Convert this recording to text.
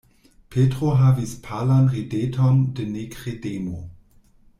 Petro havis palan rideton de nekredemo.